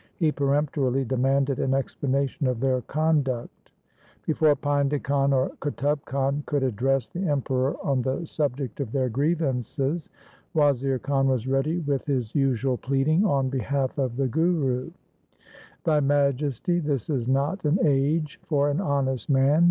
He peremptorily demanded an explanation of their conduct. Before Painda Khan or Qutub Khan could address the Emperor on the subject of their grievances, Wazir Khan was ready with his usual pleading on benalf of the Guru. ' Thy majesty, this is not an age for an honest man.